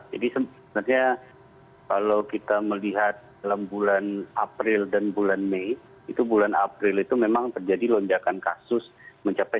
sebenarnya kalau kita melihat dalam bulan april dan bulan mei itu bulan april itu memang terjadi lonjakan kasus mencapai